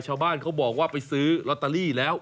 ชาวบ้านเขาบอกว่าไปซื้อลอตเตอรี่แล้ว